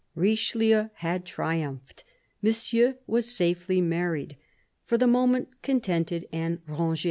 RICHELIEU had triumphed. Monsieur was safely married ; for the moment contented and range.